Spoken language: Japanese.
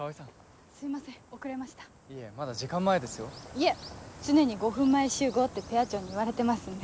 いえ常に５分前集合ってペア長に言われてますんで。